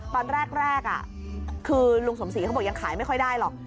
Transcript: ตอนแรกคือลุงสมศรีเขาบอกยังขายไม่ค่อยได้หรอก